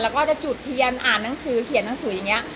แล้วก็จะจุดเทียนอ่านหนังสือเขียนหนังสืออย่างนี้